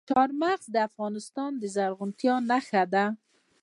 چار مغز د افغانستان د زرغونتیا نښه ده.